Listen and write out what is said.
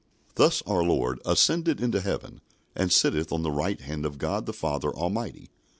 Thus our Lord "ascended into heaven, and sitteth on the right hand of God the Father Almighty."